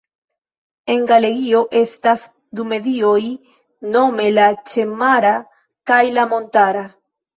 En Galegio estas du medioj nome la ĉemara kaj la montara.